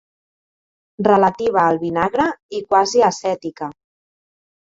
Relativa al vinagre i quasi ascètica.